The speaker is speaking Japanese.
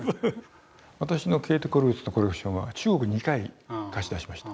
私のケーテ・コルヴィッツのコレクションは中国に２回貸し出しました。